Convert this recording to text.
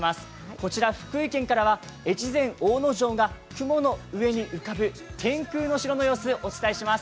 こちら福井県からは越前大野城が雲の上に浮かぶ天空の城の様子、お伝えします。